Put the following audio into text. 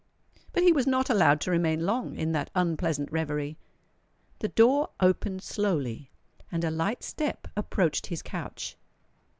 But he was not allowed to remain long in that unpleasant reverie. The door opened slowly; and a light step approached his couch.